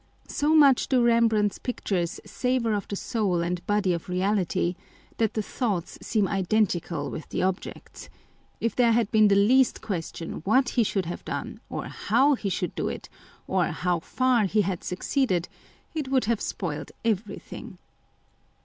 So much do Eem brandt's pictures savour of the soul and body of reality, that the thoughts seem identical with the objects â€" if there had been the least question what he should have done, or how he should do it, or how far he had succeeded, it would have spoiled everything.